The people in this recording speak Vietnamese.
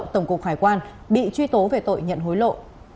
tổng cục hải quan bị truy tố về tội nhận hối lộ